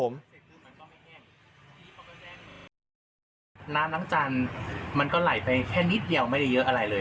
ซึ่งมันก็ไม่แห้งน้ำน้ำจานมันก็ไหลไปแค่นิดเดียวไม่ได้เยอะอะไรเลย